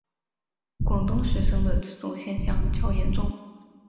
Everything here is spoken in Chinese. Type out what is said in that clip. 广东学生的此种现象较严重。